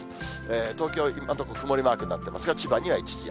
東京、今のところ曇りマークになっていますが、千葉には一時雨。